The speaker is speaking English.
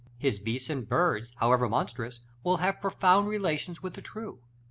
His beasts and birds, however monstrous, will have profound relations with the true.